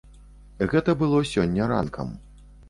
Гэта было сёння ранкам.